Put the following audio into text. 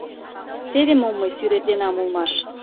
Теве мом мый сӱретленам улмаш: